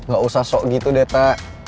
gak usah sok gitu deta